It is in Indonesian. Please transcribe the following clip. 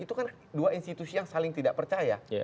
itu kan dua institusi yang saling tidak percaya